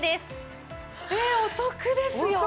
えお得ですよ！